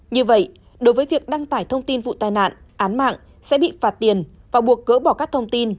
như vậy đối với việc đăng tải thông tin vụ tai nạn án mạng sẽ bị phạt tiền và buộc gỡ bỏ các thông tin